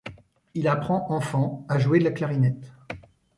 Il apprend enfant à jouer de la clarinette.